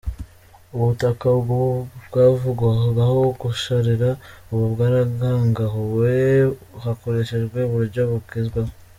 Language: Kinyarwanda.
Ubutaka bwavugwagaho gusharira, ubu bwaragangahuwe hakoreshejwe uburyo bugezweho.